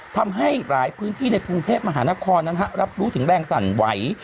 ทำให้หลายพื้นที่ในกรุงเทพมหานครนั้นรับรู้ถึงแรงสั่นไหว